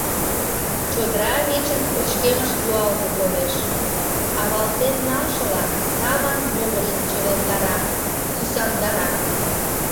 Чодыра вечын пычкемыш юалге толеш, авалтен налшыла Саван могыржым чыгылтара, сӱсандара.